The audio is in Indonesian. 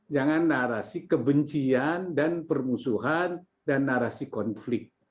jangan narasi kebencian dan permusuhan dan narasi konflik